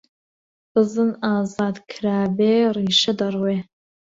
بزن ئازاد کرابێ، ڕیشە دەڕوێ!